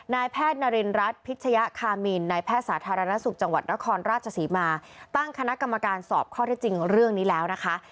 นายแพทย์นารินรัฐพิชยคามินนายแพทย์สาธารณสุขจังหวัดนครราชศรีมาตั้งคณะกรรมการสอบข้อที่จริงเรื่องนี้แล้วนะคะ